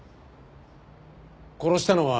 殺したのは。